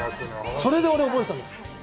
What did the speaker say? それで俺覚えてたの。